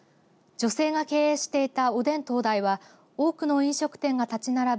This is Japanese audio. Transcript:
女性が経営していたおでん東大は多くの飲食店が立ち並ぶ